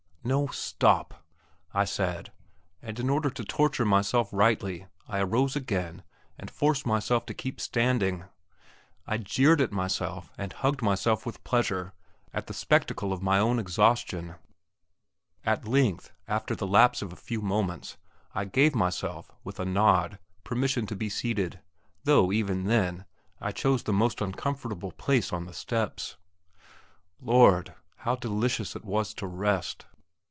"No; stop!" I said, and, in order to torture myself rightly, I arose again, and forced myself to keep standing. I jeered at myself and hugged myself with pleasure at the spectacle of my own exhaustion. At length, after the lapse of a few moments, I gave myself, with a nod, permission to be seated, though, even then, I chose the most uncomfortable place on the steps. Lord! how delicious it was to rest!